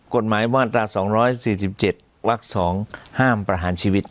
กฎหมายมาตรา๒๔๗วัก๒ห้ามประหารชีวิต